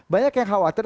banyak yang khawatir